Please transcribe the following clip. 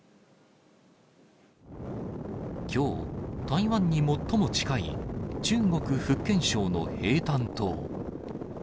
きょう、台湾に最も近い中国・福建省の平潭島。